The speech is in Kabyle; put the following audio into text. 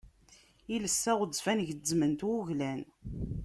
Iles aɣezfan gezzmen-t wuglan.